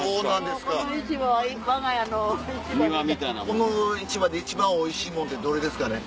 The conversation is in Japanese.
この市場で一番おいしいものってどれですかね。